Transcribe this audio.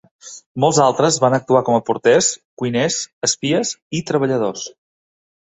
Molts altres van actuar com a porters, cuiners, espies i treballadors.